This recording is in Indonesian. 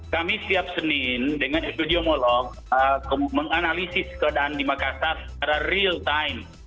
kami setiap senin dengan epidemiolog menganalisis keadaan di makassar secara real time